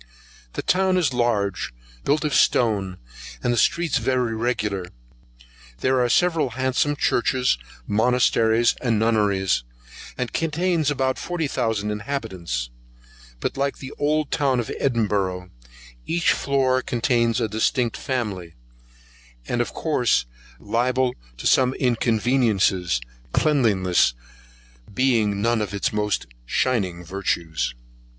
The town is large, built of stone, and the streets very regular; there are several handsome churches, monasteries, and nunneries, and contains about forty thousand inhabitants; but, like the old town of Edinburgh, each floor contains a distinct family, and of course liable to the same inconveniencies, cleanliness being none of its most shining virtues.